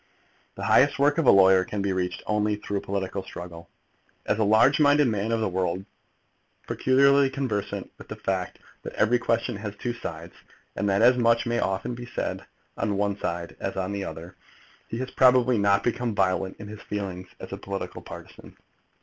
The highest work of a lawyer can only be reached through political struggle. As a large minded man of the world, peculiarly conversant with the fact that every question has two sides, and that as much may often be said on one side as on the other, he has probably not become violent in his feelings as a political partisan.